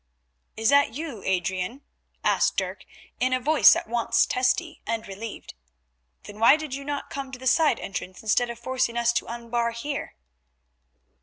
"Is that you, Adrian?" asked Dirk in a voice at once testy and relieved. "Then why did you not come to the side entrance instead of forcing us to unbar here?"